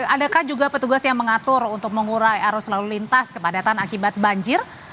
adakah juga petugas yang mengatur untuk mengurai arus lalu lintas kepadatan akibat banjir